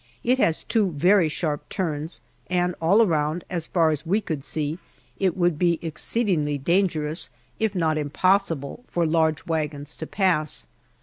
It has two very sharp turns, and all around, as far as we could see, it would be exceedingly dangerous, if not impossible, for large wagons to pass.